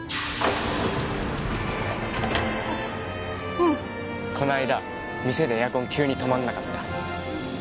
うんこないだ店でエアコン急に止まんなかった？